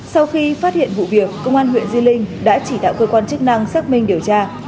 sau khi phát hiện vụ việc công an huyện di linh đã chỉ đạo cơ quan chức năng xác minh điều tra